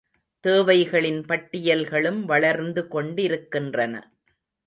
தேவைகளின் பட்டியல்களும் வளர்ந்து கொண்டிருக்கின்றன.